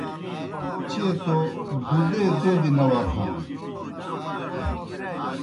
چیئے توْ دُدَے دوْدیْ نہ وتھان